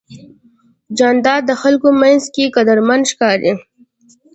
جانداد د خلکو منځ کې قدرمن ښکاري.